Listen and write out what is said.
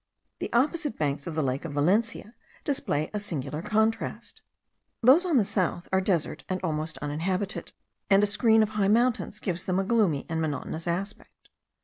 The opposite banks of the lake of Valencia display a singular contrast; those on the south are desert, and almost uninhabited, and a screen of high mountains gives them a gloomy and monotonous aspect.